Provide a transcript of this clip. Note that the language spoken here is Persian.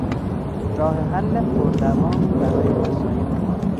راه حل پر دوامی برای مسایل ما